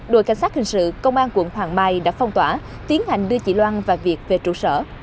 đội cảnh sát hình sự công an quận hoàng mai đã phong tỏa tiến hành đưa chị loan và việt về trụ sở